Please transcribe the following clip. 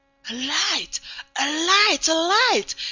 A light! A light! A light!